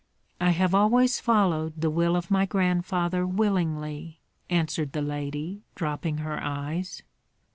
"I have always followed the will of my grandfather willingly," answered the lady, dropping her eyes.